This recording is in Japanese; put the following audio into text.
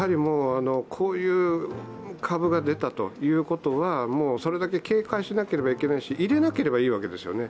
こういう株が出たということは、それだけ警戒しなければいけないし、入れなければいいわけですよね。